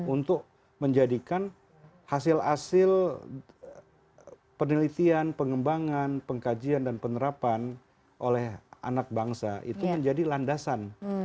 untuk menjadikan hasil hasil penelitian pengembangan pengkajian dan penerapan oleh anak bangsa itu menjadi landasan